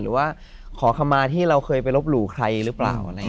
หรือว่าขอคำมาที่เราเคยไปลบหลู่ใครหรือเปล่า